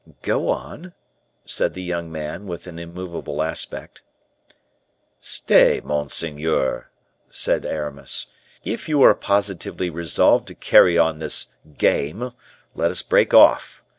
"Go on," said the young man, with an immovable aspect. "Stay, monseigneur," said Aramis; "if you are positively resolved to carry on this game, let us break off.